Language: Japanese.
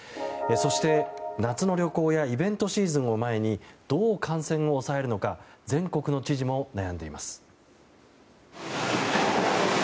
そして、夏の旅行やイベントシーズンを前にどう感染を抑えるのか全国の知事も悩んでいます。